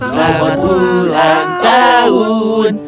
selamat ulang tahun